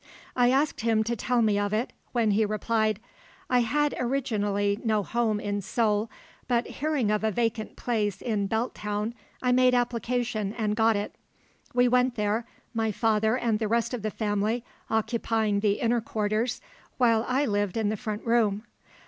I asked him to tell me of it, when he replied, "I had originally no home in Seoul, but hearing of a vacant place in Belt Town, I made application and got it. We went there, my father and the rest of the family occupying the inner quarters, while I lived in the front room.